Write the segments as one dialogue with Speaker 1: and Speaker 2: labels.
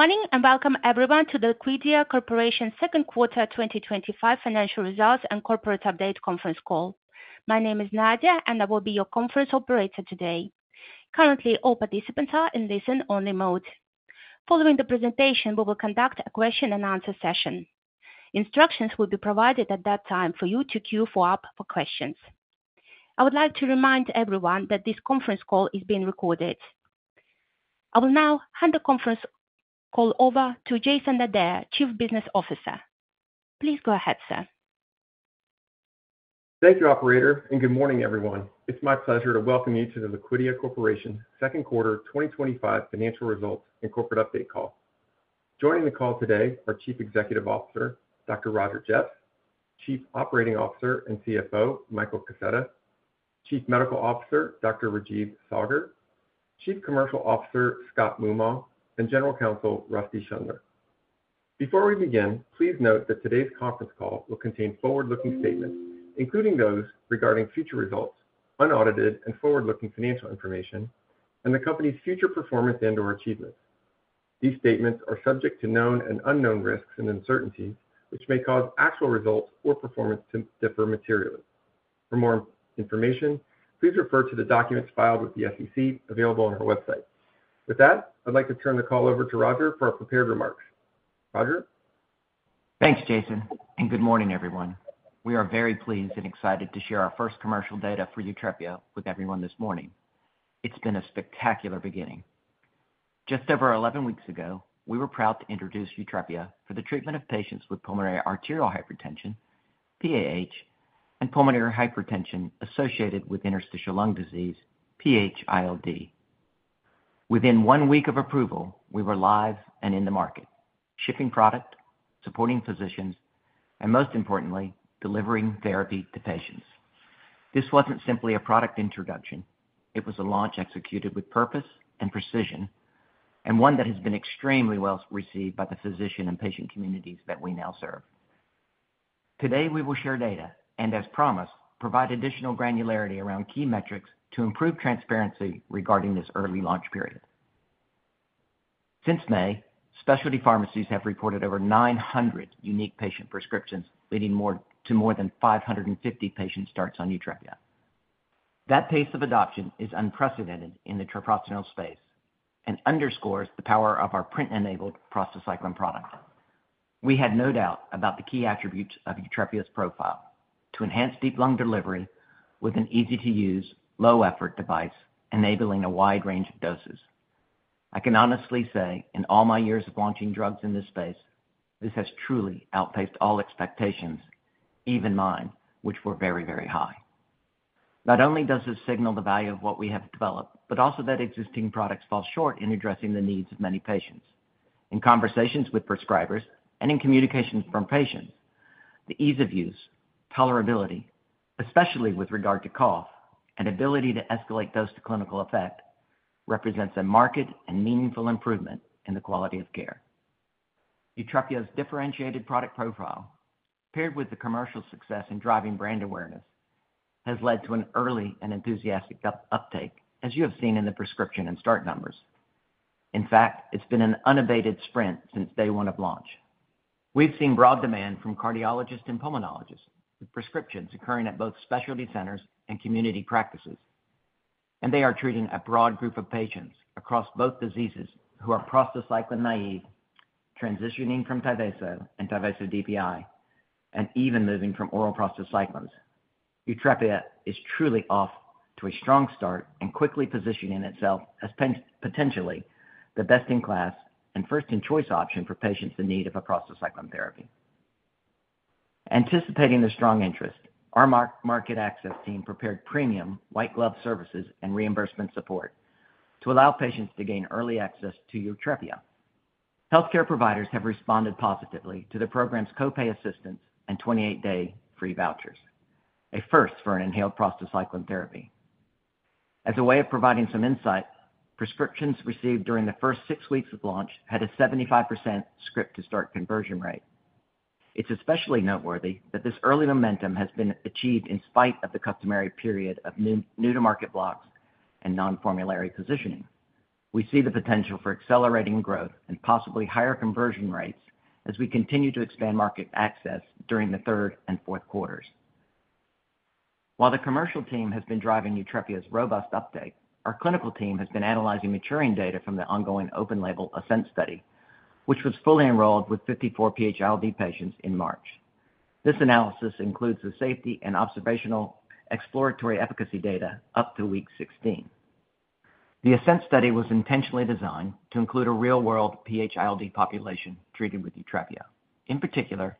Speaker 1: Morning and welcome everyone to the Liquidia Corporation Second Quarter 2025 Financial Results and Corporate Update Conference Call. My name is Nadia and I will be your conference operator today. Currently, all participants are in listen only mode. Following the presentation, we will conduct a question-and-answer session. Instructions will be provided at that time for you to queue up for questions. I would like to remind everyone that this conference call is being recorded. I will now hand the conference call over to Jason Adair, Chief Business Officer. Please go ahead, sir.
Speaker 2: Thank you, operator, and good morning, everyone. It's my pleasure to welcome you to the Liquidia Corporation Second Quarter 2025 Financial Results and Corporate Update Call. Joining the call today are Chief Executive Officer Dr. Roger Jeffs, Chief Operating Officer and CFO Michael Kaseta, Chief Medical Officer Dr. Rajeev Saggar, Chief Commercial Officer Scott Moomaw, and General Counsel Rusty Schundler. Before we begin, please note that today's conference call will contain forward-looking statements, including those regarding future results, unaudited and forward-looking financial information, and the company's future performance and/or achievements. These statements are subject to known and unknown risks and uncertainties, which may cause actual results or performance to differ materially. For more information, please refer to the documents filed with the SEC, available on our website. With that, I'd like to turn the call over to Roger for our prepared remarks. Roger?
Speaker 3: Thanks, Jason and good morning everyone. We are very pleased and excited to share our first commercial data for YUTREPIA with everyone this morning. It's been a spectacular beginning. Just over 11 weeks ago we were proud to introduce YUTREPIA for the treatment of patients with pulmonary arterial hypertension, PAH, and pulmonary hypertension associated with interstitial lung disease, PH-ILD. Within one week of approval we were live and in the market, shipping product, supporting physicians, and most importantly, delivering therapy to patients. This wasn't simply a product introduction, it was a launch executed with purpose and precision and one that has been extremely well received by the physician and patient communities that we now serve. Today we will share data and, as promised, provide additional granularity around key metrics to improve transparency regarding this early launch period. Since May, specialty pharmacies have reported over 900 unique patient prescriptions leading to more than 550 patient starts on YUTREPIA. That pace of adoption is unprecedented in the treprostinil space and underscores the power of our PRINT-enabled prostacyclin products. We had no doubt about the key attributes of YUTREPIA's profile to enhance deep lung delivery with an easy-to-use, low-effort device enabling a wide range of doses. I can honestly say in all my years of launching drugs in this space, this has truly outpaced all expectations, even mine, which were very, very high. Not only does this signal the value of what we have developed, but also that existing products fall short in addressing the needs of many patients. In conversations with prescribers and in communications from patients, the ease of use, tolerability, especially with regard to cough, and ability to escalate dose to clinical effect represents a marked and meaningful improvement in the quality of care. YUTREPIA's differentiated product profile, paired with the commercial success in driving brand awareness, has led to an early and enthusiastic uptake, as you have seen in the prescription and start numbers. In fact, it's been an unabated sprint since day one of launch. We've seen broad demand from cardiologists and pulmonologists, with prescriptions occurring at both specialty centers and community practices, and they are treating a broad group of patients across both diseases who are prostacyclin-naive, transitioning from TYVASO and TYVASO DPI, and even moving from oral prostacyclins. YUTREPIA is truly off to a strong start and quickly positioning itself as potentially the best-in-class and first-in-choice option for patients in need of a prostacyclin therapy. Anticipating the strong interest, our market access team prepared premium white glove services and reimbursement support to allow patients to gain early access to YUTREPIA. Healthcare providers have responded positively to the program's copay assistance and 28-day free vouchers, a first for an inhaled prostacyclin therapy. As a way of providing some insight, prescriptions received during the first six weeks of launch had a 75% script-to-start conversion rate. It's especially noteworthy that this early momentum has been achieved in spite of the customary period of new-to-market blocks and non-formulary positioning. We see the potential for accelerating growth and possibly higher conversion rates as we continue to expand market access during the third and fourth quarters. While the commercial team has been driving YUTREPIA's robust uptake, our clinical team has been analyzing maturing data from the ongoing open-label ASCENT study, which was fully enrolled with 54 PH-ILD patients in March. This analysis includes the safety and observational exploratory efficacy data up to week 16. The ASCENT study was intentionally designed to include a real-world PH-ILD population treated with YUTREPIA. In particular,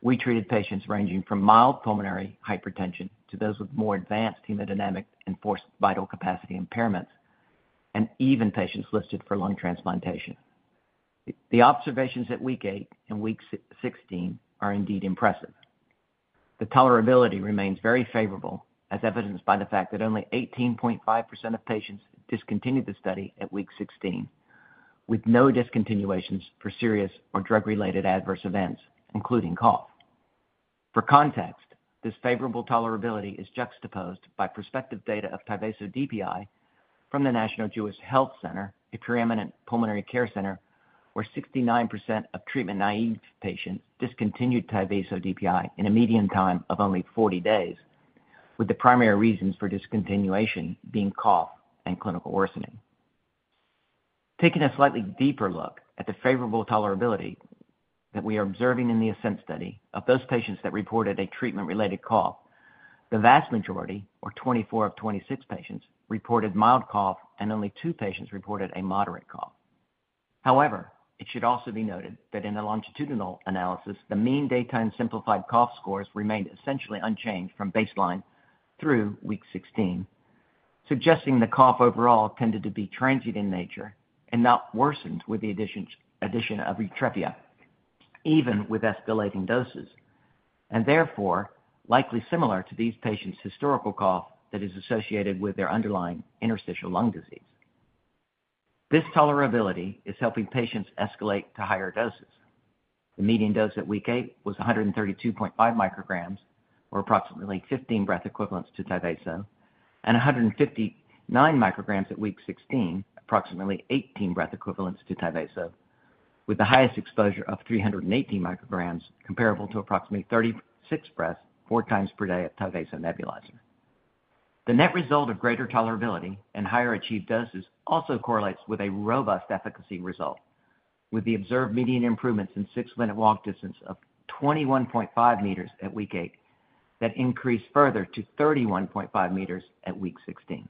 Speaker 3: we treated patients ranging from mild pulmonary hypertension to those with more advanced hemodynamic and forced vital capacity impairments and even patients listed for lung transplantation. The observations at week eight and week 16 are indeed impressive. The tolerability remains very favorable as evidenced by the fact that only 18.5% of patients discontinued the study at week 16 with no discontinuations for serious or drug-related adverse events including cough. For context, this favorable tolerability is juxtaposed by prospective data of TYVASO DPI from the National Jewish Health Center, a preeminent pulmonary care center where 69% of treatment-naive patients discontinued TYVASO DPI in a median time of only 40 days, with the primary reasons for discontinuation being cough and clinical worsening. Taking a slightly deeper look at the favorable tolerability that we are observing in the ASCENT study, of those patients that reported a treatment-related cough, the vast majority or 24 of 26 patients reported mild cough and only two patients reported a moderate cough. However, it should also be noted that in a longitudinal analysis, the mean data and simplified cough scores remained essentially unchanged from baseline through week 16, suggesting the cough overall tended to be transient in nature and not worsened with the addition of YUTREPIA even with escalating doses, and therefore likely similar to these patients' historical cough that is associated with their underlying interstitial lung disease. This tolerability is helping patients escalate to higher doses. The median dose at week eight was 132.5 micrograms, or approximately 15 breath equivalents to TYVASO, and 159 micrograms at week 16, approximately 18 breath equivalents to TYVASO, with the highest exposure of 318 micrograms, comparable to approximately 36 breaths 4x per day of TYVASO Nebulizer. The net result of greater tolerability and higher achieved doses also correlates with a robust efficacy result, with the observed median improvements in six-minute walk distance of 21.5 meters at week eight that increased further to 31.5 meters at week 16.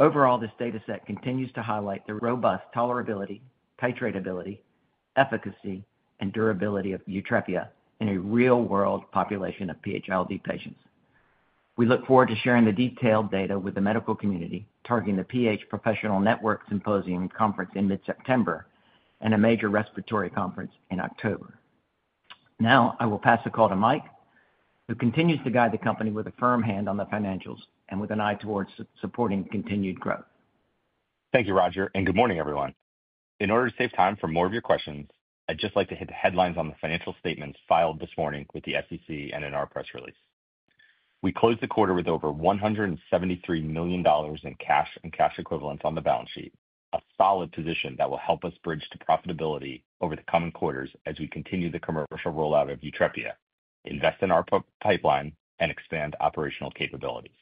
Speaker 3: Overall, this data set continues to highlight the robust tolerability, titratability, efficacy, and durability of YUTREPIA in a real-world population of PH-ILD patients. We look forward to sharing the detailed data with the medical community, targeting the PH Professional Network Symposium conference in mid-September and a major respiratory conference in October. Now I will pass the call to Mike, who continues to guide the company with a firm hand on the financials and with an eye towards supporting continued growth.
Speaker 4: Thank you, Roger, and good morning, everyone. In order to save time for more. Of your questions, I'd just like to hit the headlines on the financial statements filed this morning with the SEC and in our press release. We closed the quarter with over $173 million in cash and cash equivalents on the balance sheet, a solid position that will help us bridge to profitability over the coming quarters as we continue the commercial rollout of YUTREPIA, invest in our pipeline, and expand operational capabilities.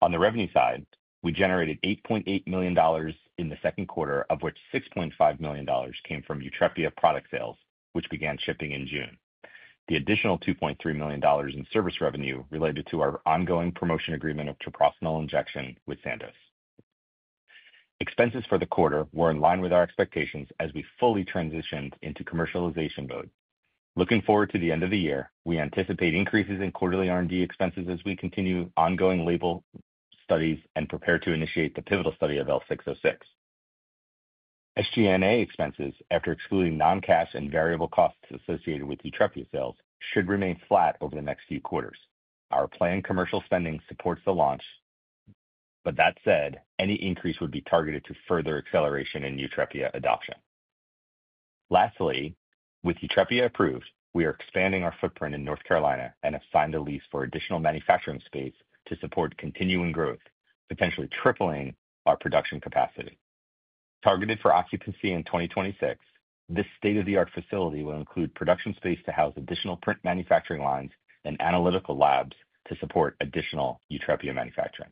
Speaker 4: On the revenue side, we generated $8.8 million. Million in the second quarter, of which $6.5 million came from YUTREPIA product sales which began shipping in June. The additional $2.3 million in service revenue related to our ongoing promotion agreement of treprostinil injection with Sandoz. Expenses for the quarter were in line with our expectations as we fully transitioned into commercialization mode. Looking forward to the end of the year, we anticipate increases in quarterly R&D expenses as we continue ongoing label studies and prepare to initiate the pivotal study of L606 SGA expenses. After excluding non-cash and variable costs associated with YUTREPIA, sales should remain flat over the next few quarters. Our planned commercial spending supports the launch, that said, any increase would be. Targeted to further acceleration in YUTREPIA adoption. Lastly, with YUTREPIA approved, we are expanding our footprint in North Carolina and have signed a lease for additional manufacturing space to support continuing growth, potentially tripling our production capacity. Targeted for occupancy in 2026, this state-of-the-art facility will include production space to house additional print manufacturing lines and analytical labs to support additional YUTREPIA manufacturing.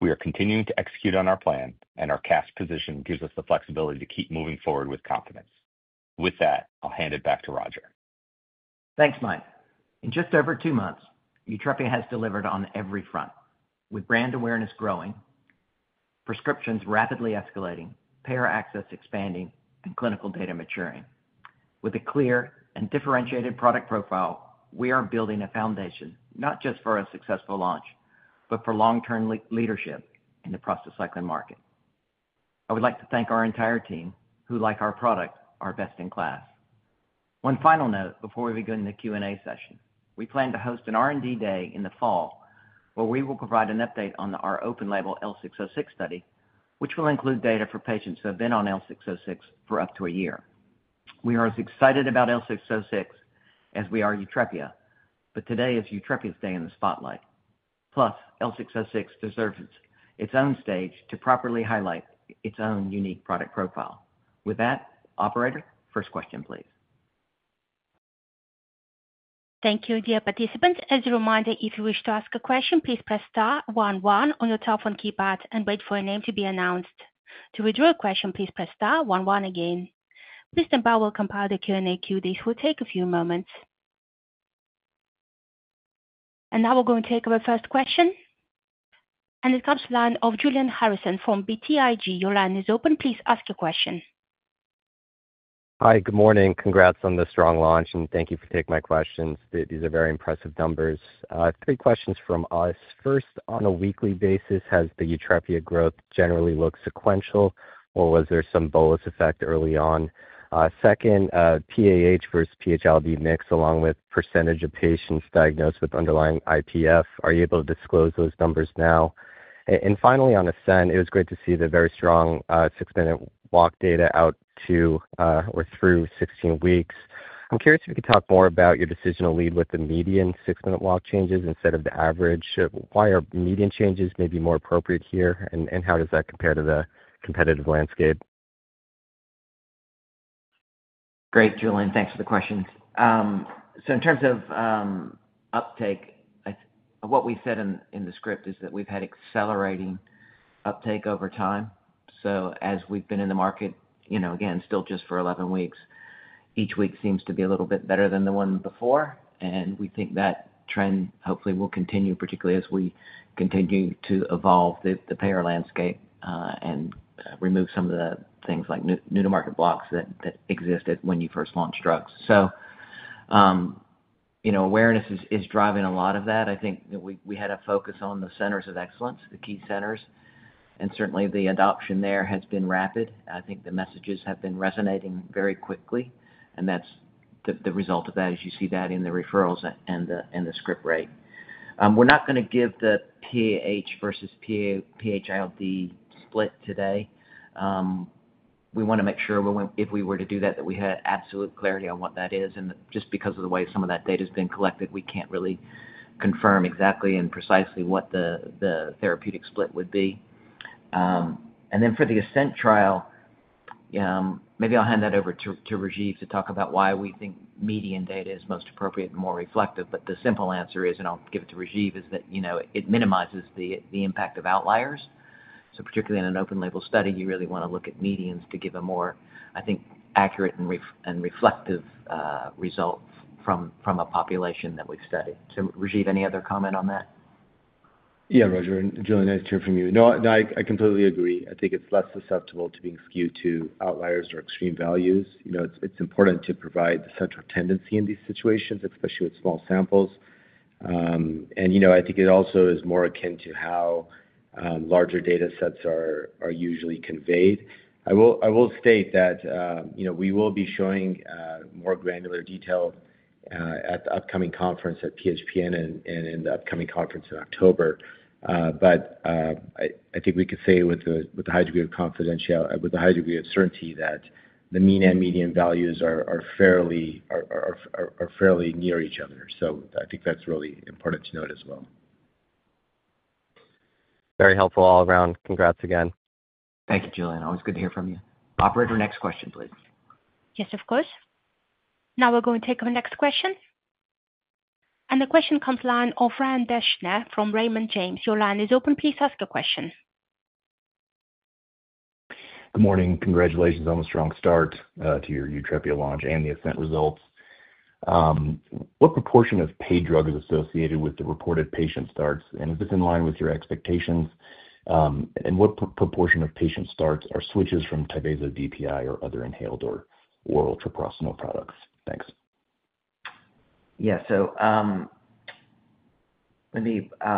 Speaker 4: We are continuing to execute on our plan, and our cash position gives us the flexibility to keep moving forward with confidence. With that, I'll hand it back to Roger.
Speaker 3: Thanks, Mike. In just over two months, YUTREPIA has delivered on every front, with brand awareness growing, prescriptions rapidly escalating, payer access expanding, and clinical data maturing with a clear and differentiated product profile. We are building a foundation not just for a successful launch but for long-term leadership in the prostacyclin market. I would like to thank our entire team who, like our product, are best in class. One final note before we begin the Q&A session: we plan to host an R&D day in the fall where we will provide an update on our open-label L606 study, which will include data for patients who have been on L606 for up to a year. We are as excited about L606 as we are YUTREPIA, but today is YUTREPIA's day in the spotlight. L606 deserves its own stage to properly highlight its own unique product profile. With that, operator, first question, please.
Speaker 1: Thank you. Dear participants, as a reminder, if you wish to ask a question, press star one one on your telephone keypad and wait for a name to be announced. To withdraw a question, please press star one one again. Dembau will compile the Q&A queue. This will take a few moments. Now we're going to take our first question and it comes to the line of Julian Harrison from BTIG. Your line is open. Please ask your question.
Speaker 5: Hi, good morning. Congrats on the strong launch and thank you for taking my questions. These are very impressive numbers. Three questions from us. First, on a weekly basis, has the YUTREPIA growth generally looked sequential or was there some bolus effect early on? Second, PAH versus PH-ILD mix, along with percentage of patients diagnosed with underlying IPF. Are you able to disclose those numbers now? Finally, on ASCENT, it was great to see the very strong six-minute walk data out to or through 16 weeks. I'm curious if you could talk more. About your decision to lead with the median six-minute walk changes instead of the average. Why are median changes maybe more appropriate here, and how does that compare to the competitive landscape?
Speaker 3: Great, Julian, thanks for the questions. In terms of uptake, what we said in the script is that we've had accelerating uptake over time. As we've been in the market, you know, again, still just for 11 weeks, each week seems to be a little bit better than the one before. We think that trend hopefully will continue, particularly as we continue to evolve the payer landscape and remove some of the things like new to market blocks that existed when you first launch drugs. Awareness is driving a lot of that. I think that we had a focus on the centers of excellence, the key centers, and certainly the adoption there has been rapid. I think the messages have been resonating very quickly. The result of that is you see that in the referrals and the script. We're not going to give the PAH versus PH-ILD split today. We want to make sure if we were to do that, that we had absolute clarity on what that is. Just because of the way some of that data has been collected, we can't really confirm exactly and precisely what the therapeutic split would be. For the ASCENT open-label study, maybe I'll hand that over to Rajeev to talk about why we think median data is most appropriate and more reflective. The simple answer is, and I'll give it to Rajeev, is that it minimizes the impact of outliers. Particularly in an open-label study, you really want to look at medians to give a more, I think, accurate and reflective results from a population that we've studied. So. Rajeev, any other comment on that?
Speaker 6: Yeah, Roger, Julian, nice to hear from you. I completely agree. I think it's less susceptible to being skewed to outliers or extreme values. It's important to provide the central tendency in these situations, especially with small samples. I think it also is more akin to how larger data sets are usually conveyed. I will state that we will be showing more granular detail at the upcoming conference at PHN and in the upcoming conference in October. I think we could say with a high degree of certainty that the mean and median values are fairly near each other. I think that's really important to note as well.
Speaker 5: Very helpful all around. Congrats again.
Speaker 3: Thank you, Julian. Always good to hear from you. Operator, next question please.
Speaker 1: Yes, of course. Now we're going to take our next question. The question comes from the line of Ryan Deschner from Raymond James. Your line is open. Please ask a question.
Speaker 7: Good morning. Congratulations on the strong start to your YUTREPIA launch and the ASCENT results. What proportion of paid drug is associated? With the reported patient starts, is this in line with your expectations? What proportion of patient starts are switches from TYVASO DPI or other inhaled or oral treprostinil products?
Speaker 3: Thanks. Yeah.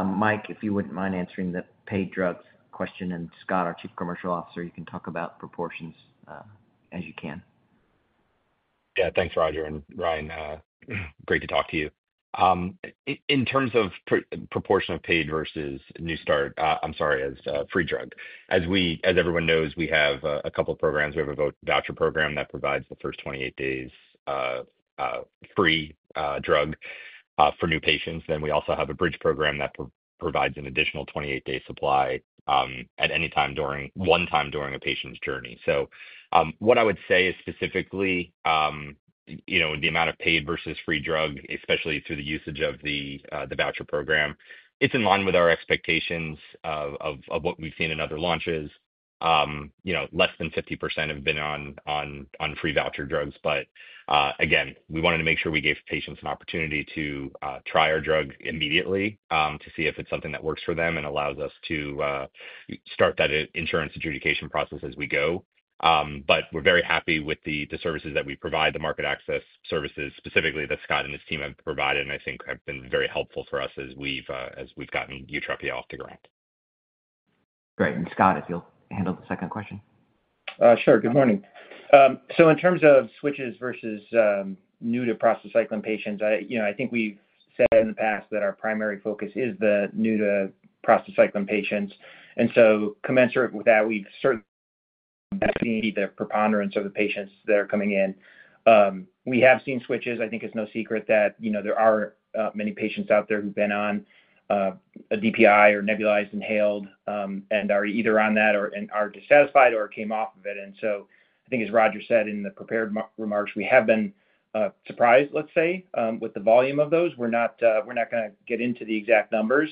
Speaker 3: Mike, if you wouldn't mind answering the paid drugs question, and Scott, our Chief Commercial Officer, you can talk about proportions as you can.
Speaker 4: Yeah, thanks. Roger and Ryan, great to talk to you. In terms of proportion of paid versus new start, as everyone knows, we have a couple of programs. We have a voucher program that provides the first 28 days free drug for new patients. We also have a bridge program. That provides an additional 28-day supply. At any time during a patient's journey. What I would say is specifically. You know, the amount of paid versus free drug, especially through the usage of the voucher program, is in line with our expectations of what we've seen in other launches. Less than 50% have been on free voucher drugs. We wanted to make sure we gave patients an opportunity to try our drug immediately to see if it's something that works for them and allows us to start that insurance adjudication process as we go. We're very happy with the services that we provide, the market access services specifically that Scott and his team have provided, and I think have been very helpful for us as we've gotten YUTREPIA off the ground.
Speaker 3: Great. Scott, if you'll handle the second question.
Speaker 8: Sure. Good morning. In terms of switches versus new to prostacyclin patients, I think we've said in the past that our primary focus is the new to prostacyclin patients. Commensurate with that, we've certainly seen the preponderance of the patients that are coming in. We have seen switches. I think it's no secret that there are many patients out there who've been on a DPI or nebulized, inhaled and are either on that or are dissatisfied or came off of it. I think, as Roger said in the prepared remarks, we have been surprised, let's say, with the volume of those. We're not going to get into the exact numbers.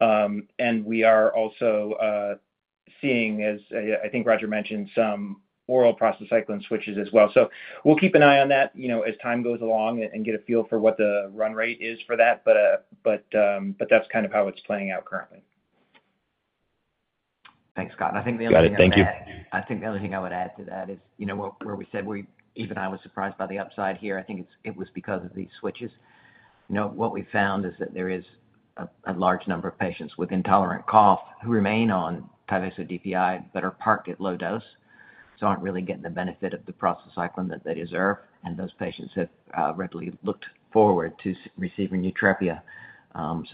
Speaker 8: We are also seeing, as I think Roger mentioned, some oral prostacyclin switches as well. We'll keep an eye on that as time goes along and get a feel for what the run rate is for that. That's kind of how it's playing out currently.
Speaker 3: Thanks, Scott. Thank you. I think the other thing I would add to that is, you know, where we said even I was surprised by the upside here, I think it was because of these switches. What we found is that there is a large number of patients with intolerant cough who remain on TYVASO DPI but are parked at low dose, so aren't really getting the benefit of the treprostinil that they deserve. Those patients have readily looked forward to receiving YUTREPIA.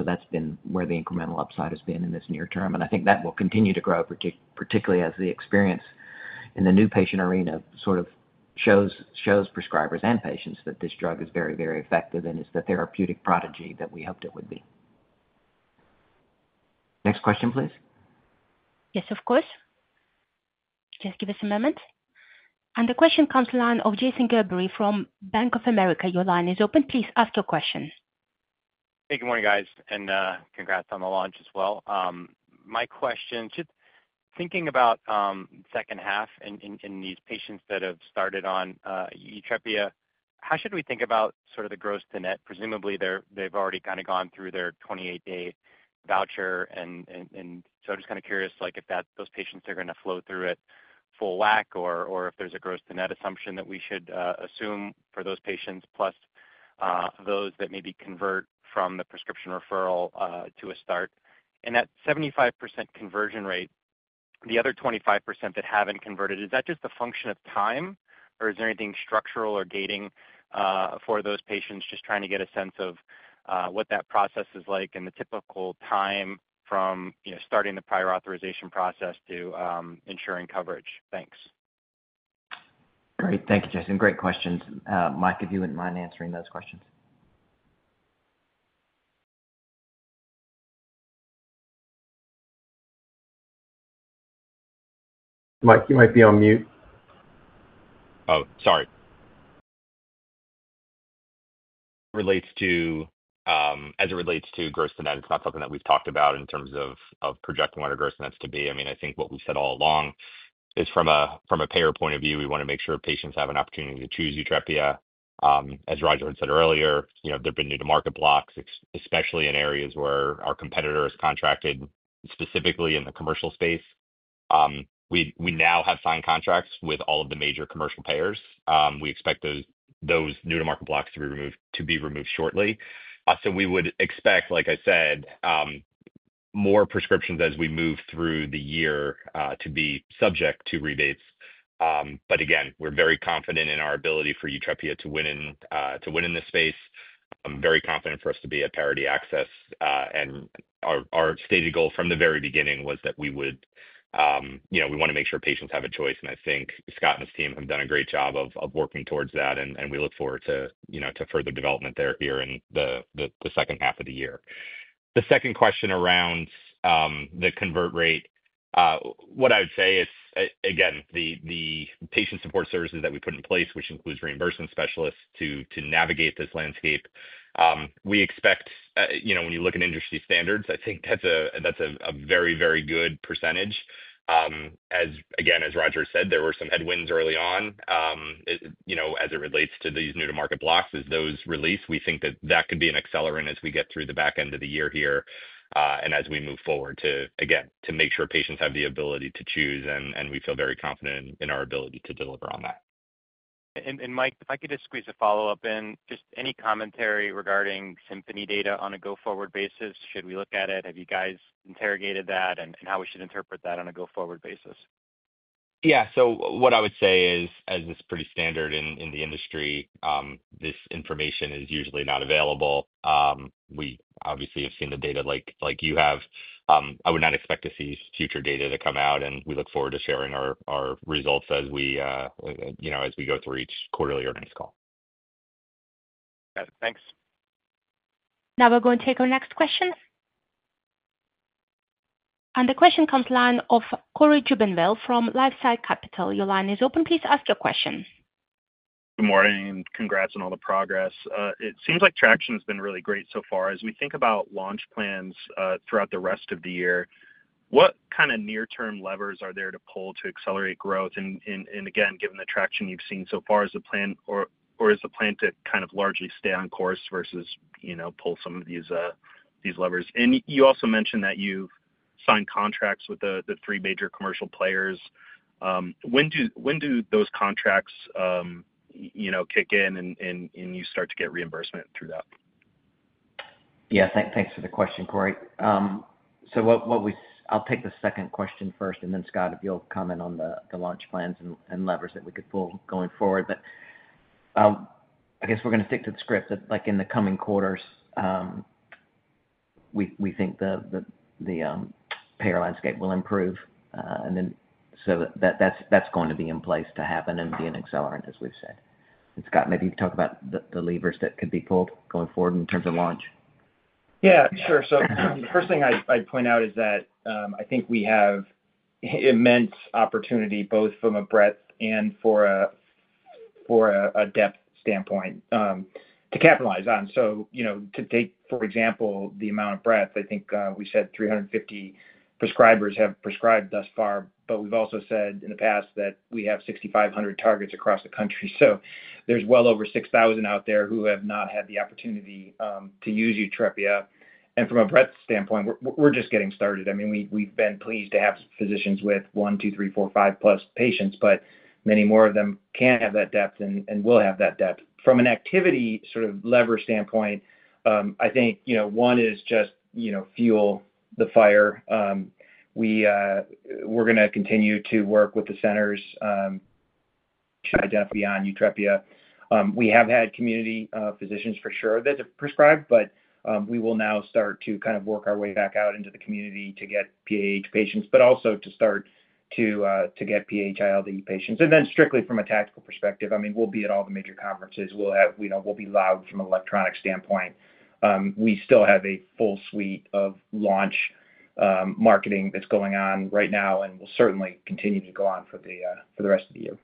Speaker 3: That's been where the incremental upside has been in this near term. I think that will continue to grow, particularly as the experience in the new patient arena sort of shows prescribers and patients that this drug is very, very effective. It's the therapeutic prodigy that we hoped it would be. Next question, please.
Speaker 1: Yes, of course. Just give us a moment. The question comes from the line of Jason Gerberry from Bank of America. Your line is open. Please ask your question.
Speaker 9: Hey, good morning, guys. Congrats on the launch as well. My question, just thinking about second half in these patients that have started on. YUTREPIA, how should we think about sort of the gross to net? Presumably they've already kind of gone through their 28-day free vouchers, and so I'm just kind of curious if those patients are going to flow through at full whack or if there's a gross-to-net assumption that we should assume for those patients plus those that maybe convert from the prescription referral. A start and that 75% conversion rate. The other 25% that haven't converted is. that just a function of time? Is there anything structural or gating for those patients? Just trying to get a sense of what that process is like and the typical time from starting the prior authorization process to ensuring coverage. Thanks.
Speaker 3: Great. Thank you, Jason. Great questions. Mike, if you wouldn't mind answering those questions.
Speaker 2: Mike, you might be on mute.
Speaker 4: Oh, sorry. As it relates to gross to net, it's not something that we've talked about in terms of projecting what our gross nets to be. I mean, I think what we said all along is from a payer point of view, we want to make sure patients have an opportunity to choose YUTREPIA. As Roger said earlier, there have been new to market blocks, especially in areas where our competitor is contracted specifically in the commercial space. We now have signed contracts with all. Of the major commercial payers. We expect those new-to-market blocks. To be removed shortly. We would expect, like I said, more prescriptions as we move through the year to be subject to rebates. Again, we're very confident in our ability for YUTREPIA to win in this space. I'm very confident for us to be at parity access. Our stated goal from the very beginning was that we would, you know, we want to make sure patients have a choice and I think Scott and his team have done a great job of working towards that. We look forward to, you know, to further development here in the second half of the year. The second question around the convert rate, what I would say is again the patient support services that we put in place, which includes reimbursement specialists to navigate this landscape, we expect, you know, when you look at industry standards, I think that's a very good percentage. As Roger said, there were some headwinds early on as it relates to these new to market blocks. Those released, we think that could be an accelerant as we get through the back end of the year here and as we move forward to again to make sure patients have the ability to choose and we feel very confident in. Our ability to deliver on that.
Speaker 9: Mike, if I could just squeeze a follow up in, any commentary regarding Symphony data on a go forward basis? Should we look at it? Have you guys interrogated that and how we should interpret that on a go forward basis?
Speaker 4: Yeah. What I would say is, as is pretty standard in the industry, this information is usually not available. We obviously have seen the data like you have. I would not expect to see future data to come out. We look forward to sharing our results as we go through each quarterly earnings call.
Speaker 9: Got it. Thanks.
Speaker 1: Now we're going to take our next question. The question comes from the line of Cory Jubinville from LifeSci Capital. Your line is open. Please ask your question.
Speaker 10: Good morning. Congrats on all the progress. It seems like traction has been really great so far as we think about. Launch plans throughout the rest of the year. What kind of near term levers are there to pull to accelerate growth? Given the traction you've seen so far, is the plan to kind of largely. Stay on course versus pull some of these levers. You also mentioned that you signed contracts with the three major commercial players. When do those contracts, you. Kick in and you start to. Get reimbursement through that?
Speaker 3: Yeah, thanks for the question, Corey. I'll take the second question first, and then Scott, if you'll comment on the launch plans and levers that we could pull going forward. I guess we're going to stick to the script like in the coming quarters. We think the payer landscape will improve, and that's going to be in place to happen and be an accelerant, as we've said. Scott, maybe you can talk about the levers that could be pulled going forward in terms of launch.
Speaker 8: Yeah, sure. The first thing I'd point out is that I think we have immense opportunity both from a breadth and from a depth standpoint to capitalize on. For example, the amount of breadth, I think we said 350 prescribers have prescribed thus far. We've also said in the past that we have 6,500 targets across the country. There's well over 6,000 out there who have not had the opportunity to use YUTREPIA. From a breadth standpoint, we're just getting started. We've been pleased to have physicians with one, two, three, four, five plus patients, but many more of them can have that depth and will have that depth. From an activity sort of leverage standpoint, one is just fuel the fire. We're going to continue to work with the centers to identify on YUTREPIA. We have had community physicians for sure that have prescribed. We will now start to work our way back out into the community to get PAH patients, but also to start to get PH-ILD patients. Strictly from a tactical perspective, we'll be at all the major conferences, we'll be loud from an electronic standpoint. We still have a full suite of launch marketing that's going on right now and will certainly continue to go on. For the rest of the year.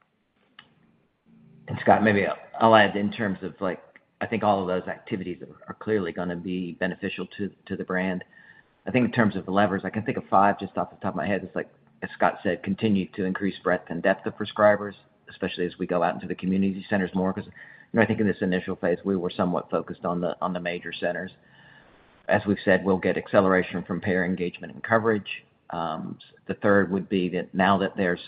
Speaker 3: Scott, maybe I'll add in terms of, I think all of those activities are clearly going to be beneficial to the brand. I think in terms of the levers, I can think of five just off the top of my head. It's like, as Scott said, continue to increase breadth and depth of prescribers, especially as we go out into the community centers more. I think in this initial phase we were somewhat focused on the major centers. As we've said, we'll get acceleration from payer engagement and coverage. The third would be that now that there's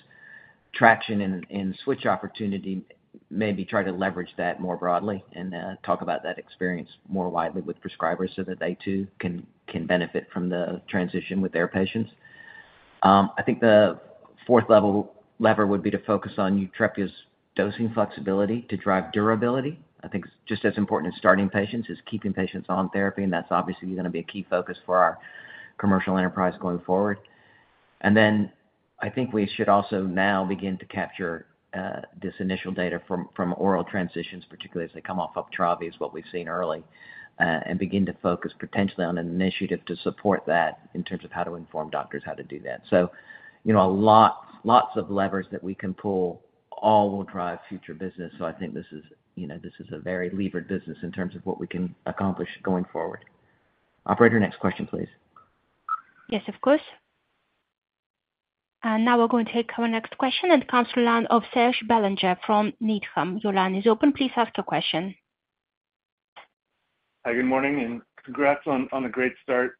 Speaker 3: traction in switch opportunity, maybe try to leverage that more broadly and talk about that experience more widely with prescribers so that they too can benefit from the transition with their patients. I think the fourth lever would be to focus on YUTREPIA's dosing flexibility to drive durability. I think it's just as important as starting patients is keeping patients on therapy. That's obviously going to be a key focus for our commercial enterprise going forward. I think we should also now begin to capture this initial data from oral transitions, particularly as they come off Uptravi, is what we've seen early, and begin to focus potentially on an initiative to support that in terms of how to inform doctors how to do that. There are a lot of levers that we can pull, all will drive future business. I think this is a very levered business in terms of what we can accomplish going forward. Operator, next question, please.
Speaker 1: Yes, of course. We are going to take our next question. And Serge Belanger from Needham, your line is open. Please ask a question.
Speaker 11: Hi, good morning and congrats on a great start.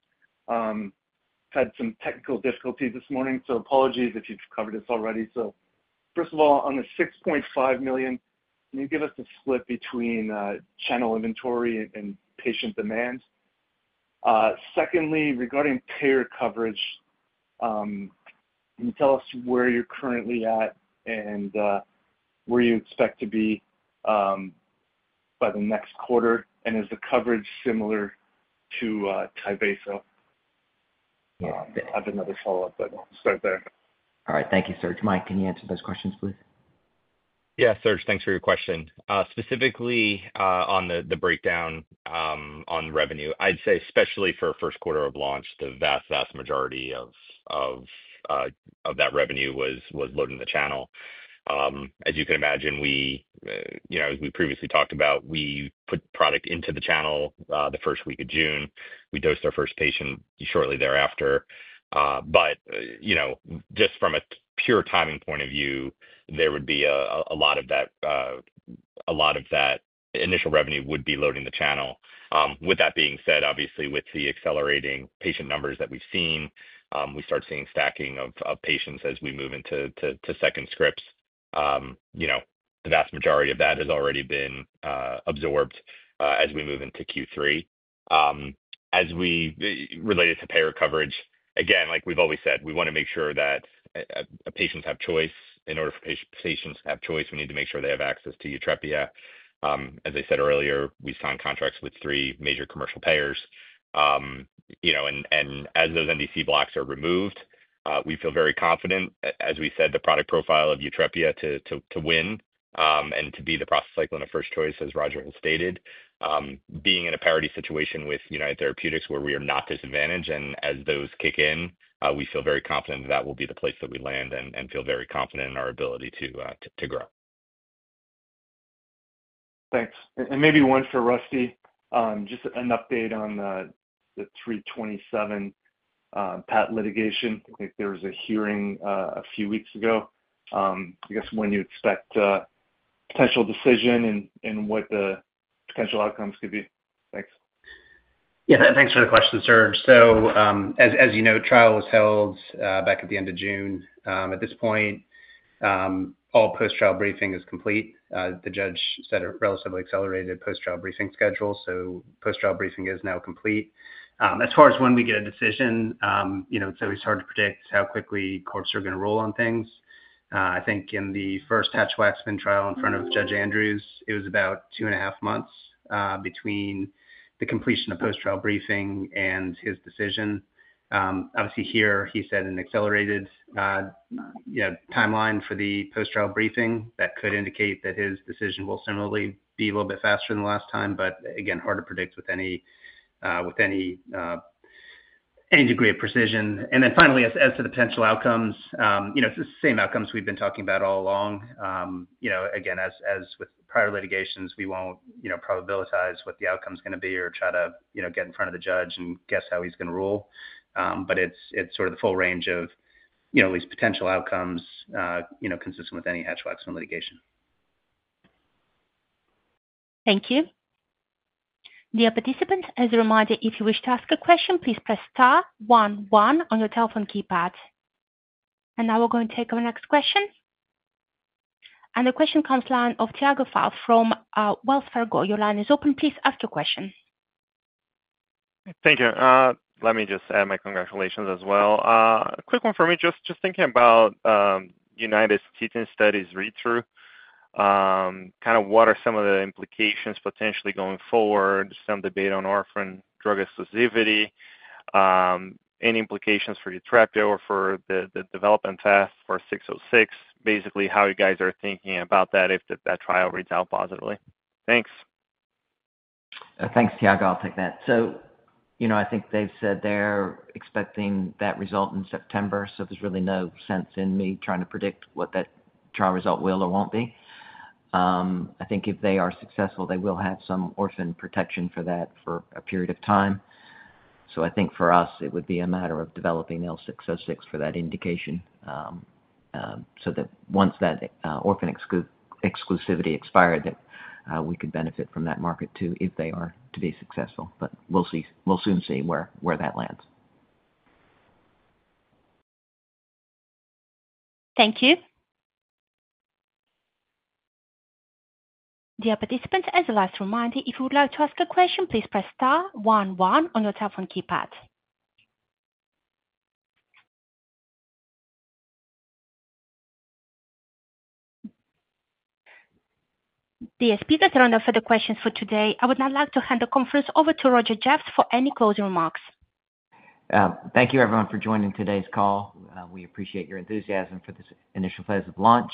Speaker 11: Had some technical difficulties this morning, so apologies if you've covered this already. First of all, on the $6.5 million, can you give us a split between channel inventory and patient demand? Regarding payer coverage, can you tell us where you're currently at and where you expect to be by the next quarter, and is the coverage similar to TYVASO? I have another follow up, but start there.
Speaker 3: All right, thank you, Serge. Mike, can you answer those questions, please?
Speaker 4: Yeah Serge, thanks for your question. Specifically on the breakdown on revenue, I'd say especially for first quarter of launch, the vast, vast majority of that revenue was loaded in the channel. As you can imagine, as we previously talked about, we put product into the channel the first week of June. We dosed our first patient shortly thereafter. Just from a pure timing point of view, a lot of that initial revenue would be loading the channel. With that being said, obviously with the accelerating patient numbers that we've seen, we start seeing stacking of patients as we move into second scripts. The vast majority of that has already been absorbed as we move into Q3 as we related to payer coverage. Like we've always said, we want to make sure that patients have choice. In order for patients to have choice, we need to make sure they have access to YUTREPIA. As I said earlier, we signed contracts with three major commercial payers. As those NDC blocks are removed we feel very confident, as we said, the product profile of YUTREPIA to win and to be the prostacyclin of first choice. As Dr. Roger Jeffs has stated, being in a parity situation with United Therapeutics where we are not disadvantaged. As those kick in we feel very confident that will be the place that we land and feel very confident in our ability to grow.
Speaker 11: Thanks. Maybe one for Rusty. Just an update on the 327 patent litigation. There was a hearing a few weeks ago. I guess when you expect potential decision and what the potential outcomes could be. Thanks.
Speaker 12: Yeah, thanks for the question, sir. As you know, trial was held back at the end of June. At this point, all post trial briefing is complete. The judge set a relatively accelerated post trial briefing schedule. Post trial briefing is now complete. As far as when we get a decision, it's always hard to predict how quickly courts are going to rule on things. I think in the first Hatch Waxman trial in front of Judge Andrews, it was about two and a half months between the completion of post trial briefing and his decision. Obviously, here he set an accelerated timeline for the post trial briefing that could indicate that his decision will similarly be a little bit faster than the last time. Again, hard to predict with any degree of precision. Finally, as to the potential outcomes, it's the same outcomes we've been talking about all along. As with prior litigations, we won't probabilitize what the outcome is going to be or try to get in front of the judge and guess how he's going to rule. It's sort of the full range of these potential outcomes, consistent with any hedgehogs in litigation.
Speaker 1: Thank you, dear participants. As a reminder, if you wish to ask a question, please press star one one on your telephone keypad. We are going to take our next question. The question comes from the line of Tiago Fauth from Wells Fargo. Your line is open. Please ask your question.
Speaker 13: Thank you. Let me just add my congratulations as well. A quick one for me. Just thinking about United Therapeutics studies. Read through, kind of, what are some of the implications potentially going forward? Some debate on orphan drug exclusivity? Any implications for YUTREPIA or for the development test for L606? Basically how you guys are thinking about. If that trial reads out positively. Thanks.
Speaker 3: Thanks, Thiago. I'll take that. I think they've said they're expecting that result in September, so there's really no sense in me trying to predict what that trial result will or won't be. I think if they are successful, they will have some orphan protection for that for a period of time. I think for us it would be a matter of developing L606 for that indication so that once that orphan exclusivity expired, we could benefit from that market too, if they are to be successful. We'll soon see where that lands.
Speaker 1: Thank you, dear participants, and the last reminder, if you would like to ask a question, please press star one one on your telephone keypad. Dear speakers, and no further questions for today. I would now like to hand the conference over to Roger Jeffs for any closing remarks.
Speaker 3: Thank you everyone for joining today's call. We appreciate your enthusiasm for this initial phase of launch.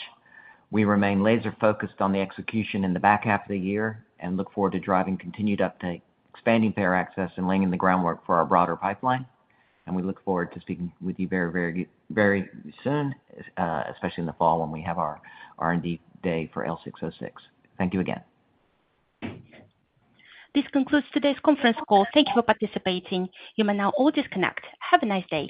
Speaker 3: We remain laser focused on the execution in the back half of the year and look forward to driving continued update, expanding payer access, and laying the groundwork for our broader pipeline. We look forward to speaking with you very, very, very soon, especially in the fall when we have our R&D day for L606. Thank you again.
Speaker 1: This concludes today's conference call. Thank you for participating. You may now all disconnect. Have a nice day.